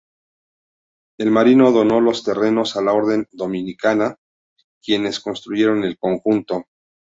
El marino donó los terrenos a la Orden dominica, quienes construyeron el conjunto.